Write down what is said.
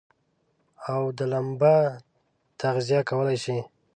او دا لمبه تغذيه کولای شي.